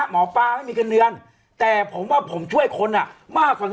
หมอปลาไม่มีเงินเดือนแต่ผมว่าผมช่วยคนมากกว่า